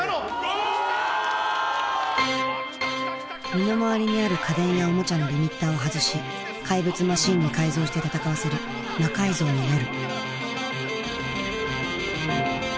身の回りにある家電やおもちゃのリミッターを外し怪物マシンに改造して戦わせる「魔改造の夜」。